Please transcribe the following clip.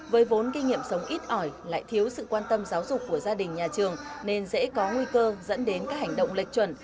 với vốn kinh nghiệm sống ít ỏi lại thiếu sự quan tâm giáo dục của gia đình nhà trường nên dễ có nguy cơ dẫn đến các hành động lệch chuẩn